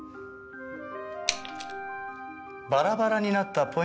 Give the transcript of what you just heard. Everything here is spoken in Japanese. バラバラになったポイント